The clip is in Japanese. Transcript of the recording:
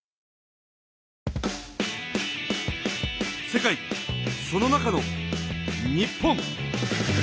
世界その中の日本。